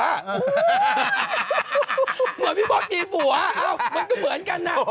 เหมือนพี่มดมีผัวมันก็เหมือนกันนะ